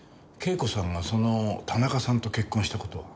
啓子さんがその田中さんと結婚した事は？